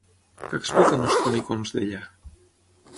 Què expliquen els cronicons d'ella?